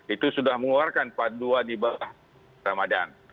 itu sudah mengeluarkan padua di bawah ramadhan